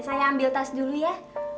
saya ambil tas dulu ya